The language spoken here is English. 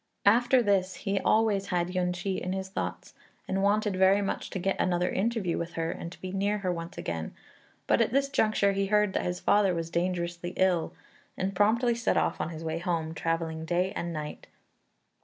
After this he always had Yün ch'i in his thoughts, and wanted very much to get another interview with her and be near her once again, but at this juncture he heard that his father was dangerously ill, and promptly set off on his way home, travelling day and night.